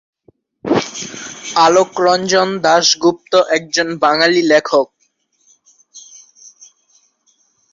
অলোকরঞ্জন দাশগুপ্ত একজন বাঙালি লেখক।